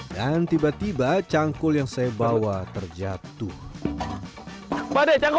dan tiba tiba canggul yang saya bawa terjatuh